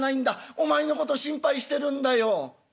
お前のこと心配してるんだよ。